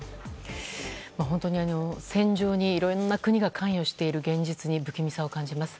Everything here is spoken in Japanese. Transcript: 本当に、戦場にいろんな国が関与している現実に不気味さを感じます。